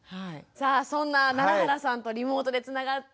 さあそんな楢原さんとリモートでつながっています。